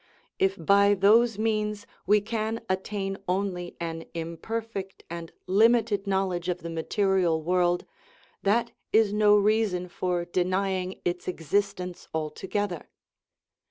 If by those means we can attain only an imperfect and limited knowledge of the material world, that is no reason for denying its exist ence altogether.